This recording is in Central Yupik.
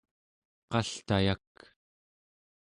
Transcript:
qaltayak